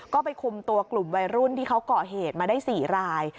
ก็ไปคุมตัวกลุ่มวัยรุ่นที่เขาก่อเหตุมาได้๔ราย